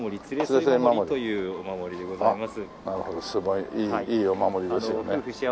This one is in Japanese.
すごいいいお守りですよね。